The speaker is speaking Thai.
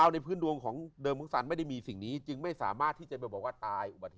ไปไม่สำนใจว่าจะตาย